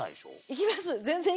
行きます？